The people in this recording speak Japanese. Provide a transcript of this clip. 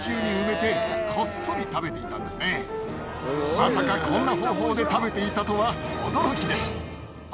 まさかこんな方法で食べていたとは驚きです。